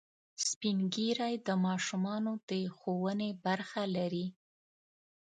سپین ږیری د ماشومانو د ښوونې برخه لري